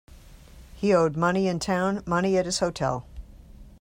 He owed money in town, money at his hotel.